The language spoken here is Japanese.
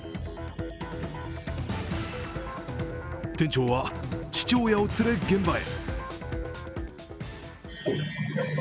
店長は父親を連れ、現場へ。